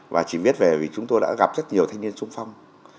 và chỉ viết về vì chúng tôi đã gặp rất nhiều thanh niên sung phong